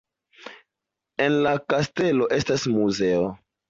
En la kastelo estas muzeo.